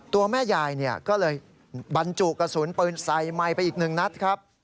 ตัวแม่ยายก็เลยบรรจุกระสุนปืนใส่ไมค์ไปอีกหนึ่งนัดครับ